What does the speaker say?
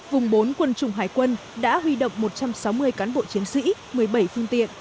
vùng bốn quân chủng hải quân đã huy động một trăm sáu mươi cán bộ chiến sĩ một mươi bảy phương tiện